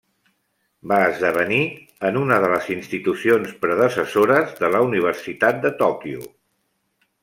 Va esdevenir en una de les institucions predecessores de la Universitat de Tòquio.